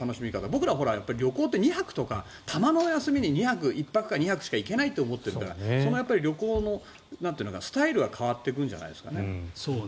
僕ら、旅行って２泊とかたまの休みに１泊しか２泊しか行けないと思ってるから旅行のスタイルは変わっていくんじゃないですかね。